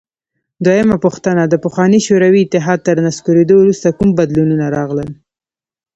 دویمه پوښتنه: د پخواني شوروي اتحاد تر نسکورېدو وروسته کوم بدلونونه راغلل؟